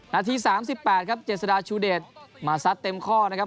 นาที๓๘ครับเจษฎาชูเดชมาซัดเต็มข้อนะครับ